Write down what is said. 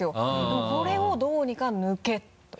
でもこれをどうにか抜けと。